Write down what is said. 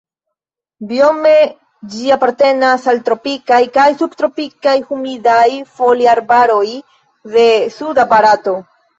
Biome ĝi apartenas al tropikaj kaj subtropikaj humidaj foliarbaroj de suda Barato.